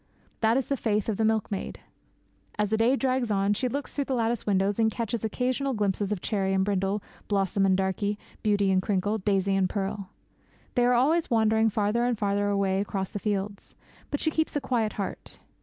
That is the faith of the milkmaid. As the day drags on she looks through the lattice window and catches occasional glimpses of Cherry and Brindle, Blossom and Darkie, Beauty and Crinkle, Daisy and Pearl. They are always wandering farther and farther away across the fields; but she keeps a quiet heart.